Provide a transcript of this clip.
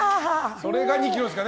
それが２ｋｇですからね。